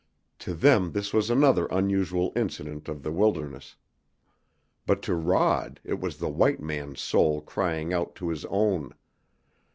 To them this was another unusual incident of the wilderness. But to Rod it was the white man's soul crying out to his own.